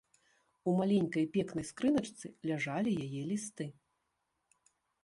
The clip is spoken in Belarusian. У маленькай пекнай скрыначцы ляжалі яе лісты.